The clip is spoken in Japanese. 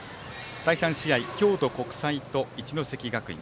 第３試合、京都国際と一関学院。